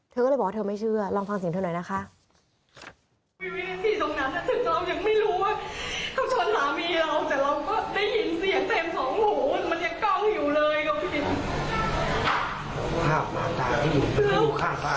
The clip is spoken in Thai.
เธอก็เลยบอกว่าเธอไม่เชื่อลองฟังเสียงเธอหน่อยนะคะ